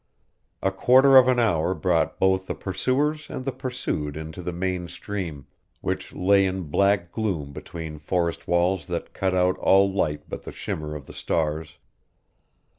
A quarter of an hour brought both the pursuers and the pursued into the main stream, which lay in black gloom between forest walls that cut out all light but the shimmer of the stars.